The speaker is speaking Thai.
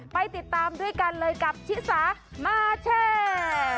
ไปติดตามด้วยกันเลยกับชิสามาแชร์